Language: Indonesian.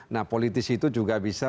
nah politisi itu juga bisa